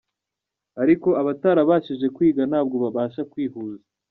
Ariko abatarabashije kwiga ntabwo babasha kwihuza.